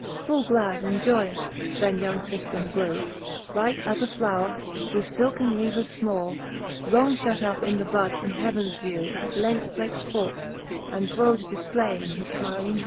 Full glad and joyous then young Tnfiram grew, Like as a flowre, whofe filken leaves fmall. Long fhut up in the bud from heavens vew, At length breakes forth, and brode diiplayes his fmyling hew.